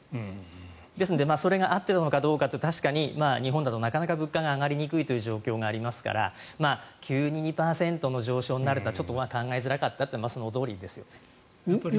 ですのでそれが合っているのかどうかというのは日本だとなかなか物価が上がりにくいという状況がありますから急に２％の上昇になるとはちょっと考えづらかったというのはそのとおりですよね。